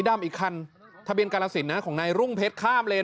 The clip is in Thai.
ดำอีกคันทะเบียนกาลสินนะของนายรุ่งเพชรข้ามเลน